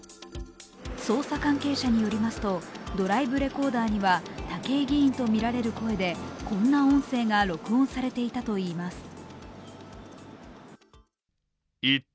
捜査関係者によりますとドライブレコーダーには武井議員とみられる声でこんな音声が録音されていたといいます。